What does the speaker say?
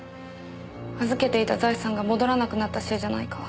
預けていた財産が戻らなくなったせいじゃないか。